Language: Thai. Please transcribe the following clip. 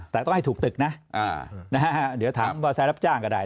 แต่ต้องให้ถูกตึกน่ะอ่านะฮะเดี๋ยวถามว่าใส่รับจ้างก็ได้